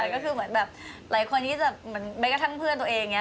ก็คือเหมือนแบบหลายคนที่จะแม้กระทั่งเพื่อนตัวเอง